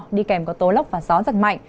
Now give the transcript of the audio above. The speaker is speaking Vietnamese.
đi kèm có tố lốc và gió rạc mạnh